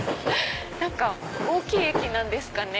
大きい駅なんですかね？